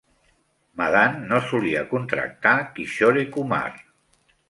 Madan no solia contractar Kishore Kumar.